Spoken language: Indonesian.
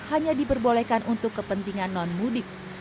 hanya diperbolehkan untuk kepentingan non mudik